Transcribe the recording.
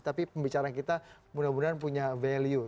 tapi pembicaraan kita mudah mudahan punya value